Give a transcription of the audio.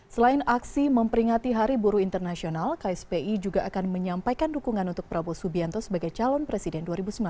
selain aksi memperingati hari buruh internasional kspi juga akan menyampaikan dukungan untuk prabowo subianto sebagai calon presiden dua ribu sembilan belas